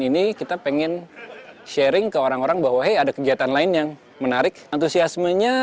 ini kita pengen sharing ke orang orang bahwa hei ada kegiatan lain yang menarik antusiasmenya